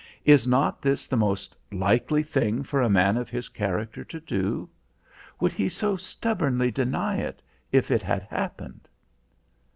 Is not this the most likely thing for a man of his character to do? Would he so stubbornly deny it, if it had happened?"